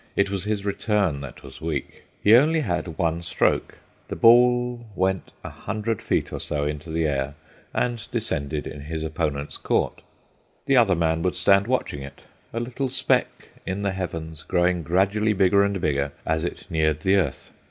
It was his return that was weak. He only had one stroke; the ball went a hundred feet or so into the air and descended in his opponent's court. The other man would stand watching it, a little speck in the Heavens, growing gradually bigger and bigger as it neared the earth.